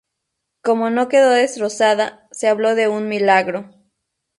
Como no quedó destrozada, se habló de un milagro.